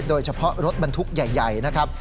โดยเฉพาะรถบรรทุกใหญ่นะครับ